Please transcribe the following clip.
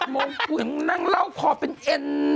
๗โมงนั่งเล่าคอเป็นเอ็น